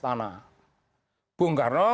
tanah bung karno